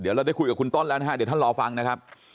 เดี๋ยวเราได้คุยกับคุณต้นแล้วนะฮะเดี๋ยวท่านรอฟังนะครับ